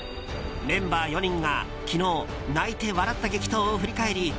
メンバー４人が昨日泣いて笑った激闘を振り返り